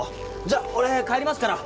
じゃあ俺帰りますから。